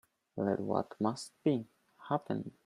Let what must be, happen.